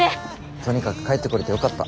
とにかく帰ってこれてよかった。